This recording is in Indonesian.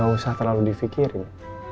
gak usah terlalu difikirin